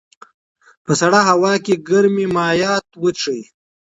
په سړه هوا کې ګرمې مایعات وڅښئ.